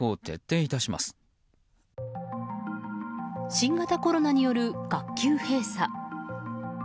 新型コロナによる学級閉鎖。